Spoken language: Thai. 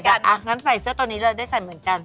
จะออกเดรสอ่ะงั้นใส่เสื้อตัวนี้เลยได้ใส่เหมือนกัน